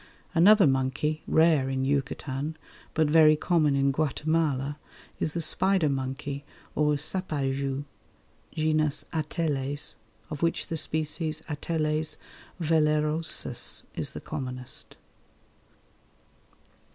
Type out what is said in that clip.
Another monkey, rare in Yucatan, but very common in Guatemala, is the spider monkey or sapajou (genus Ateles), of which the species A. vellerosus is the commonest.